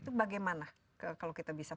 itu bagaimana kalau kita bisa